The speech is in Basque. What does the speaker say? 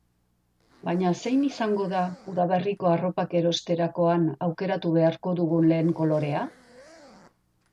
Baina zein izango da udaberriko arropak erosterakoan aukeratu beharko dugun lehen kolorea?